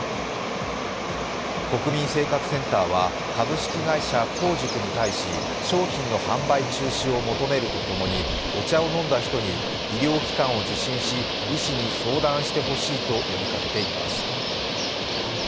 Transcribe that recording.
国民生活センターは株式会社香塾に対し商品の販売中止を求めるとともに、お茶を飲んだ人に医療機関を受診し医師に相談してほしいと呼びかけています。